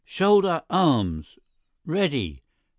… Shoulder arms!… Ready!